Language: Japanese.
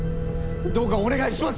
どうか、お願いします！